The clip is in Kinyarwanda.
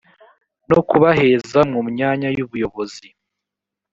no kubaheza mu myanya y ubuyobozi